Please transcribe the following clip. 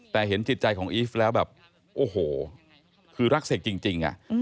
แต่เห็นจิตใจของอีฟแล้วแบบโอ้โหคือรักเสกจริง